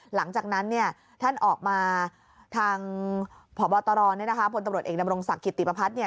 หลังจากนั้นเนี่ยท่านออกมาทางพบตรเนี่ยนะคะพลตำรวจเอกดำรงศักดิ์ขิตติปภัทรเนี่ย